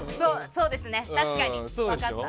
そうですね、確かに。